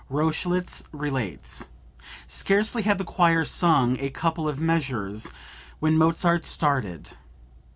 Rochlitz relates: "Scarcely had the choir sung a couple of measures when Mozart started.